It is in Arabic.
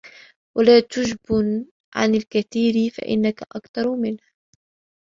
وَلَا تَجْبُنْ عَنْ الْكَثِيرِ فَإِنَّك أَكْثَرُ مِنْهُ